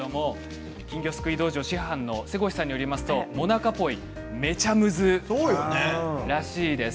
金魚すくい道場師範の瀬越さんによりますとモナカポイめちゃむずらしいです。